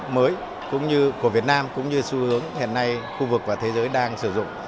mới của việt nam cũng như xu hướng hiện nay khu vực và thế giới đang sử dụng